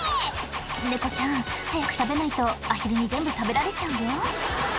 猫ちゃん早く食べないとアヒルに全部食べられちゃうよ